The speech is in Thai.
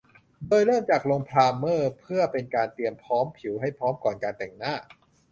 โดยเริ่มจากลงไพรเมอร์เพื่อเป็นการเตรียมผิวให้พร้อมก่อนการแต่งหน้า